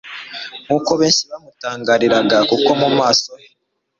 Nkuko benshi bamutangariraga kuko mu maso he